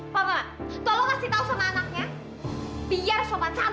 papa tolong kasih tau sama anaknya biar sopan santun